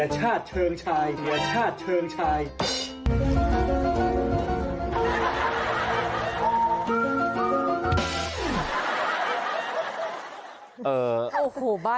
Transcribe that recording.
ชาติเชิงชาย